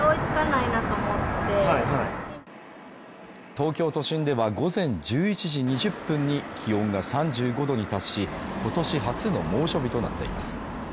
東京都心では午前１１時２０分に気温が３５度に達し今年初の猛暑日となっています。